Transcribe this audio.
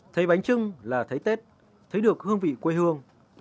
thấy bánh trưng là thấy tết thấy được hương vị quê hương